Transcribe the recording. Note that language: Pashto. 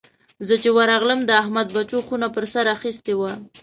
زه چې ورغلم؛ د احمد بچو خونه پر سر اخيستې وه.